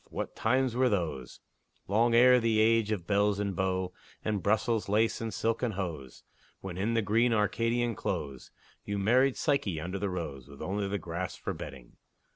What times were those, Long ere the age of belles and beaux, And Brussels lace and silken hose, When, in the green Arcadian close, You married Psyche under the rose, With only the grass for bedding!